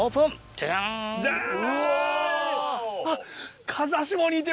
ジャジャン。